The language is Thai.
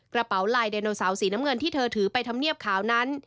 กระเป๋าลายไดโนเสาร์สีน้ำเงินที่เธอถือไปทำเนียบขาวนั้น